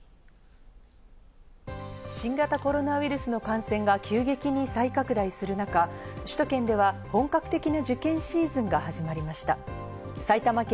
新型コロナウイルスの感染が急激に再拡大する中、首都圏では本格的な受験シーズンが始まりました。